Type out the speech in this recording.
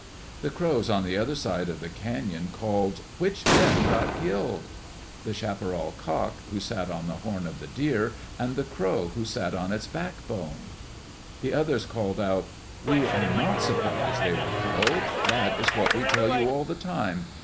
The crows on the other side of the caeon called, "Which men got killed?" "The chaparral cock, who sat on the horn of the deer, and the crow who sat on its backbone." The others called out, "We are not surprised they were killed. That is what we tell you all the time.